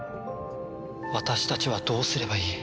私たちはどうすればいい？